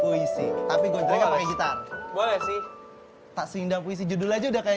puisi tapi gojeknya pakai gitar boleh sih tak seimbang puisi judul aja udah kayak